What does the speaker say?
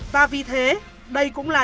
và vì thế đây cũng là